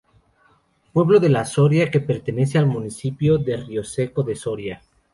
Pueblo de la Soria que pertenece al municipio de Rioseco de Soria.